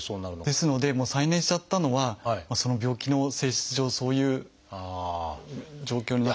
ですのでもう再燃しちゃったのはその病気の性質上そういう状況に。